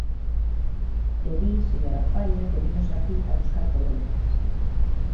E di, señora Faia, que vimos aquí a buscar polémicas.